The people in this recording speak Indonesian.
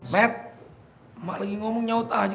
bet mak lagi ngomong nyaut aja